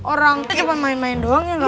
orang kita cuma main main doang ya enggak